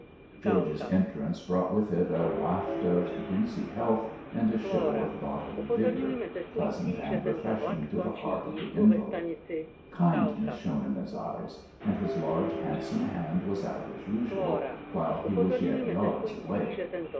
George's entrance brought with it a waft of breezy health, and a show of bodily vigour pleasant and refreshing to the heart of the invalid. Kindness shone in his eyes, and his large, handsome hand was out as usual while he was yet yards away.